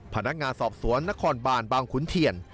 พนักงานสอบสวนนครบานบางขุนเทียน